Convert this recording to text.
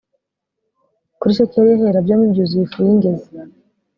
kuri shekeli y ahera byombi byuzuye ifu y ingezi